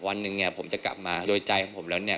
วันหนึ่งเนี่ยผมจะกลับมาโดยใจของผมแล้วเนี่ย